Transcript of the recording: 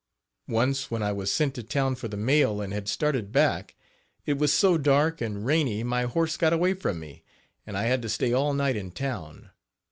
Once, when I was sent to town for the mail and had started back, it was so dark and rainy my horse got away from me and I had to stay all night in town.